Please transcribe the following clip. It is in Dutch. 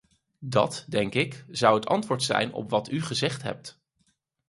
Dat, denk ik, zou het antwoord zijn op wat u gezegd hebt.